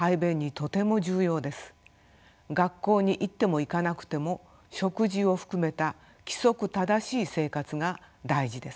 学校に行っても行かなくても食事を含めた規則正しい生活が大事です。